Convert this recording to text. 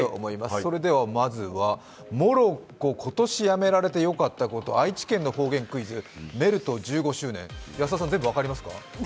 それでは、まずはモロッコ、今年やめられてよかったこと、愛知県の方言クイズ、メルト１５周年安田さん、全部分かりますか？